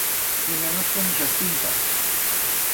Y menos con ixas pintas.